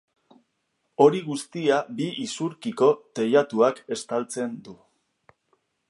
Hori guztia bi isurkiko teilatuak estaltzen du.